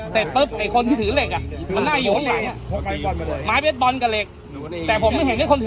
เสร็จปุ๊บไอคนที่ถือเหล็กอ่ะ